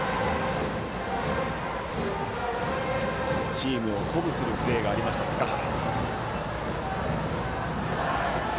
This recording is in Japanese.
チームを鼓舞するプレーがありました塚原。